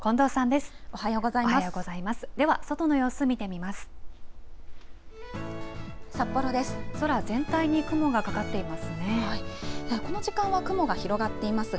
では外の様子を見てみます。